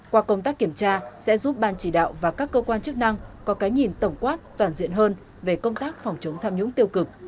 qua công tác kiểm tra sẽ giúp ban chỉ đạo và các cơ quan chức năng có cái nhìn tổng quát toàn diện hơn về công tác phòng chống tham nhũng tiêu cực